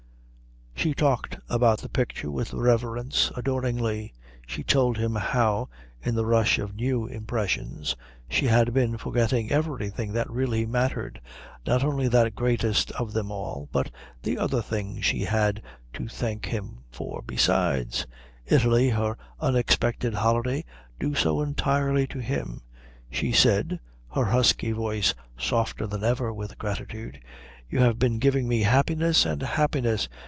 She talked about the picture, with reverence, adoringly. She told him how in the rush of new impressions she had been forgetting everything that really mattered, not only that greatest of them all, but the other things she had to thank him for besides Italy, her unexpected holiday, due so entirely to him. She said, her husky voice softer than ever with gratitude, "You have been giving me happiness and happiness.